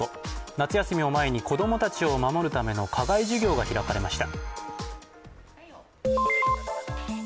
夏休みを前に子供たちを守るための課外授業が開かれました。